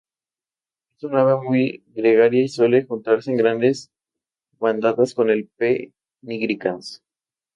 Es un ave muy gregaria y suele juntarse en grandes bandadas con "P. nigricans".